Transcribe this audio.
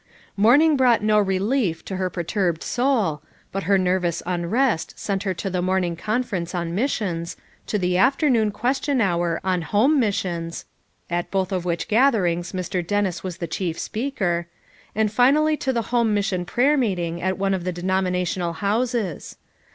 Morning brought no re lief to her perturbed soul, but her nervous un rest sent her to the morning conference on mis sions, to the afternoon Question Hour on home missions, — at both of which gatherings Mr. Dennis was the chief speaker, — and finally to the home mission prayer meeting at one of the de nominational houses.